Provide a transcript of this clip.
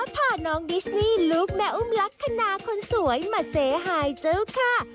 พาน้องดิสนี่ลูกแม่อุ้มลักษณะคนสวยมาเซหายเจ้าค่ะ